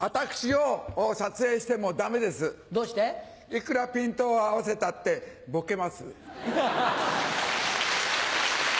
いくらピントを合わせたってボケます。